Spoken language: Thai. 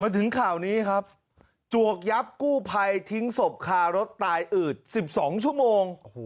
ถึงข่าวนี้ครับจวกยับกู้ภัยทิ้งศพคารถตายอืด๑๒ชั่วโมง